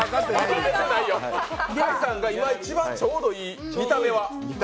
開さんが今、一番ちょうどいい、見た目は。